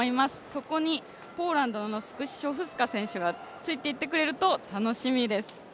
そこにポーランドのスクシショフスカ選手がついていってくれると楽しみです。